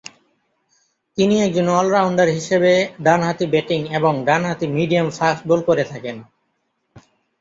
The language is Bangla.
তিনি একজন অল-রাউন্ডার হিসেবে ডানহাতি ব্যাটিং এবং ডানহাতি মিডিয়াম ফাস্ট বল করে থাকেন।